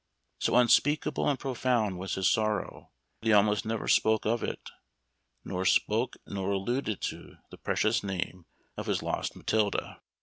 So unspeakable and profound was his sorrow that he almost never spoke of it, nor spoke nor alluded to the precious name of his lost Matilda.